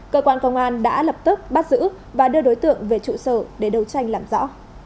cơ quan công an đã lập tức bắt giữ và đưa đối tượng về trụ sở để đấu tranh làm rõ